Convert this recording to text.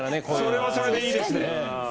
それはそれでいいですね。